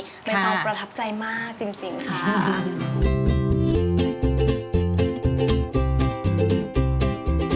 ใบตองประทับใจมากจริงค่ะ